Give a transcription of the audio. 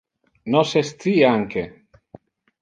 Nos es ci, anque.